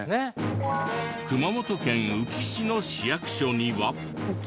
熊本県宇城市の市役所には。